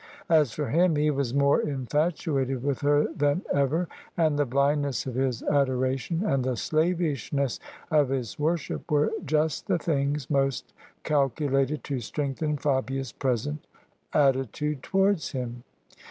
As for him, he was more infatuated with her than ever; and the blindness of his adoration and the slavishness of his worship were just the things most calculated to strengthen Fabia's present attitude towards him.